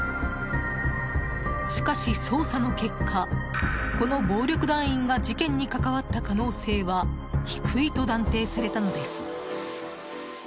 しかし、捜査の結果この暴力団員が事件に関わった可能性は低いと断定されたのです。